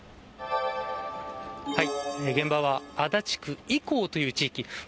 現場は足立区伊興という地域